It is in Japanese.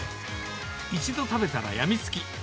一度食べたらやみつき。